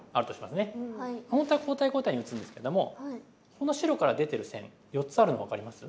本当は交代交代に打つんですけどもこの白から出てる線４つあるの分かります？